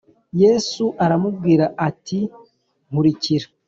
Yesu aramubwira ati Nkurikira